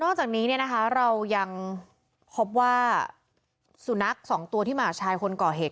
จากนี้เรายังพบว่าสุนัขสองตัวที่มากับชายคนก่อเหตุ